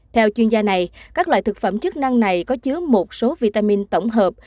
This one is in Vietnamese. theo chuyên gia này các loại thực phẩm chức năng này có chứa một số vitamin tổng hợp